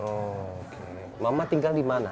oh mama tinggal di mana